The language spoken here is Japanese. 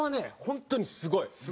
本当にすごい！